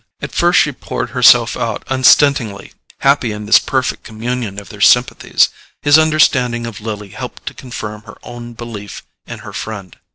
At first she poured herself out unstintingly, happy in this perfect communion of their sympathies. His understanding of Lily helped to confirm her own belief in her friend.